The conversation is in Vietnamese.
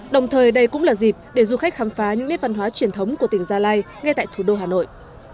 đồng thời đây cũng là dịp để du khách khám phá những nét văn hóa truyền thống của tỉnh gia lai ngay tại thủ đô hà nội